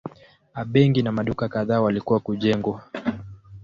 A benki na maduka kadhaa walikuwa kujengwa.